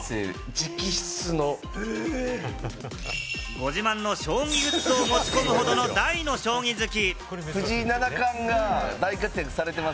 ご自慢の将棋グッズを持ち込むほどの大の将棋好き。